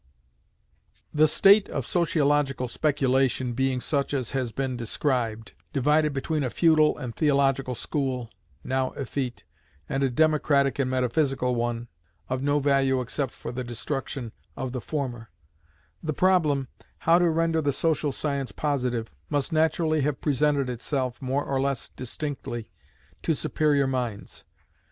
The state of sociological speculation being such as has been described divided between a feudal and theological school, now effete, and a democratic and metaphysical one, of no value except for the destruction of the former; the problem, how to render the social science positive, must naturally have presented itself, more or less distinctly, to superior minds.